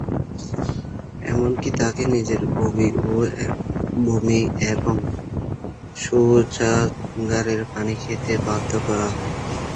এমনকি তাঁকে নিজের বমি এবং শৌচাগারের পানি খেতে বাধ্য করা হয়।